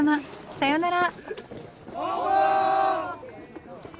さようなら。